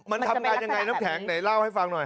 มันทำงานยังไงน้ำแข็งไหนเล่าให้ฟังหน่อย